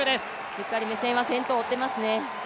しっかり目線は先頭を追っていますね。